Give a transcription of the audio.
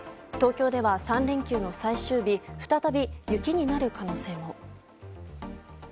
東京では、３連休の最終日再び雪になる可能性も。